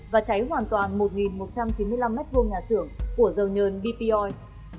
và cháy hoàn toàn một một trăm chín mươi năm m hai nhà xưởng của dầu nhơn bp oil